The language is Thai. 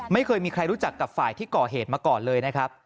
ไม่เคยมีใครรู้จักกับฝ่ายที่ก่อเหตุมาก่อนเลยนะครับ